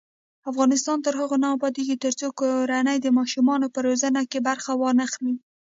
افغانستان تر هغو نه ابادیږي، ترڅو کورنۍ د ماشومانو په روزنه کې برخه وانخلي.